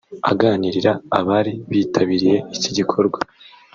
Aganirira abari bitabiriye iki gikorwa